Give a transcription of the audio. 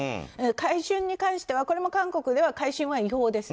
買春に関してはこれも韓国では買春は違法です。